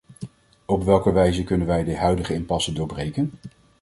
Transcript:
Op welke wijze kunnen wij de huidige impasse doorbreken?